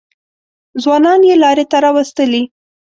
ځوانان یې لارې ته راوستلي.